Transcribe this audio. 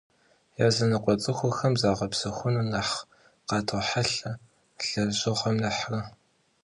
Языныкъуэ цӀыхухэм загъэпсэхуныр нэхъ къатохьэлъэ лэжьыгъэм нэхърэ.